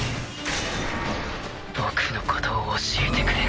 僕のことを教えてくれ？